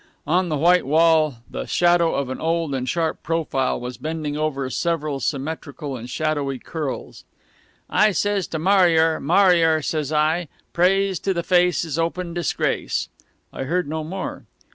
On the white wall the shadow of an old and sharp profile was bending over several symmetrical and shadowy curls. "I sez to Mariar, Mariar, sez I, 'Praise to the face is open disgrace.'" I heard no more.